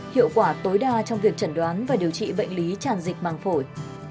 hiệu quả tối đa trong việc chẩn đoán và điều trị bệnh lý tràn dịch màng phổi